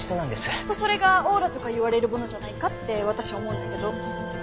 きっとそれがオーラとか言われるものじゃないかって私は思うんだけど。